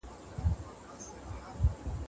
پلی تګ د شکر د کنټرول یوه ساده لاره ده.